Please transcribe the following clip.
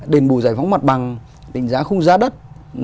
đền bù giải phóng mặt bằng định giá khung giá đất